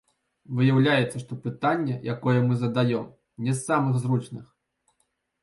Выяўляецца, што пытанне, якое мы задаём, не з самых зручных.